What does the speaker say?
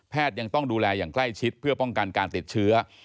ยังต้องดูแลอย่างใกล้ชิดเพื่อป้องกันการติดเชื้อ